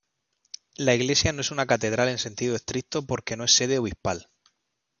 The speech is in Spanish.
La iglesia no es una catedral en sentido estricto porque no es sede obispal.